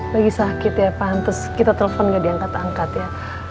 lagi sakit ya pantas kita telepon gak diangkat angkat ya